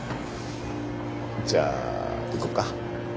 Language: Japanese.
じゃあ行こうか。